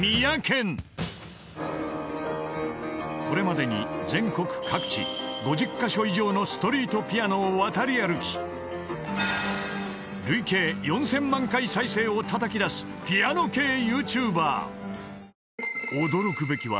［これまでに全国各地５０カ所以上のストリートピアノを渡り歩き累計４，０００万回再生をたたき出すピアノ系ＹｏｕＴｕｂｅｒ］